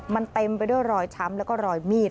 มันเต็มไปด้วยรอยช้ำแล้วก็รอยมีด